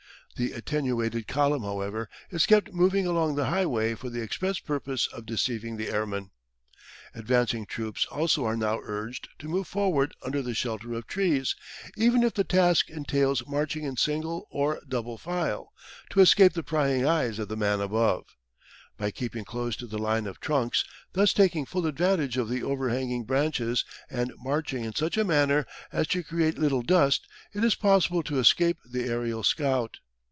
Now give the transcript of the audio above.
The attenuated column, however, is kept moving along the highway for the express purpose of deceiving the airman. Advancing troops also are now urged to move forward under the shelter of trees, even if the task entails marching in single or double file, to escape the prying eyes of the man above. By keeping close to the line of trunks, thus taking full advantage of the overhanging branches, and marching in such a manner as to create little dust, it is possible to escape the aerial scout.